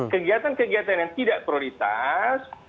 kegiatan kegiatan yang tidak prioritas